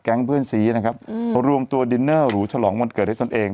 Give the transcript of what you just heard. เพื่อนสีนะครับรวมตัวดินเนอร์หรูฉลองวันเกิดให้ตนเอง